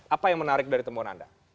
apa yang menarik dari temuan anda